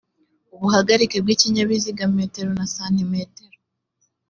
ubuhagarike bw ikinyabiziga metero na santimetero